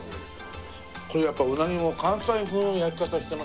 これやっぱうなぎを関西風の焼き方してますもんね。